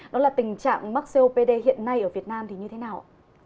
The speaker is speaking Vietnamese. đó là tình trạng mắc copd hiện nay ở việt nam thì như thế nào ạ